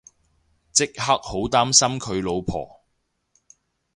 即刻好擔心佢老婆